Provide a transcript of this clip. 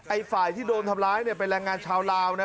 ฝ่ายที่โดนทำร้ายเนี่ยเป็นแรงงานชาวลาวนะ